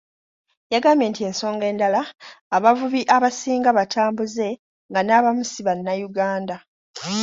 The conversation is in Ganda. Yagambye nti ensonga endala, abavubi abasinga batambuze nga n'abamu ssi bannayuganda.